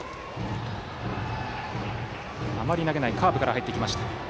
あまり投げないカーブから入っていきました。